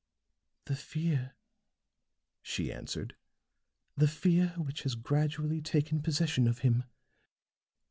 "The fear," she answered, "the fear which has gradually taken possession of him.